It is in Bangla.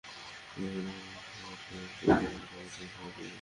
সুন্দরবনের কোনো ক্ষতি হলে তার দায়দায়িত্ব কার, সেটা পরিষ্কার হওয়া জরুরি।